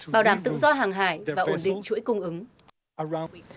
bảo đảm tự do hàng hải và ổn định chuỗi cung ứng